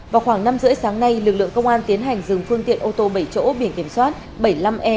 vào khoảng năm h ba mươi sáng nay lực lượng công an tiến hành dừng phương tiện ô tô bảy chỗ biển kiểm soát bảy mươi năm e một trăm sáu mươi tám